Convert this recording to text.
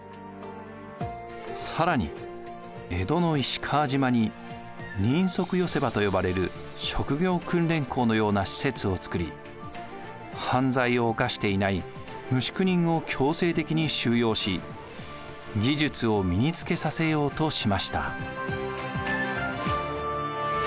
更に江戸の石川島に人足寄場と呼ばれる職業訓練校のような施設を作り犯罪を犯していない無宿人を強制的に収容し技術を身につけさせようとしました。